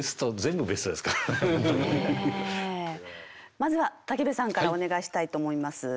まずは武部さんからお願いしたいと思います。